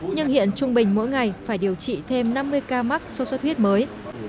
nhưng hiện trung bình mỗi ngày phải điều trị thêm năm mươi ca mắc sốt xuất huyết mới